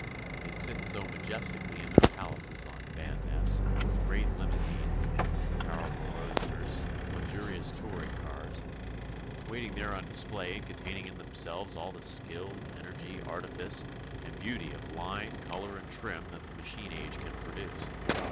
They sit so majestically in their palaces on Van Ness, great limousines, powerful roadsters, luxurious touring cars, waiting there on display and containing in themselves all the skill, energy, artifice, and beauty of line, color and trim that the machine age can produce.